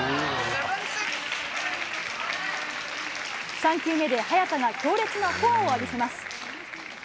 ３球目で早田が強烈なフォアを浴びせます。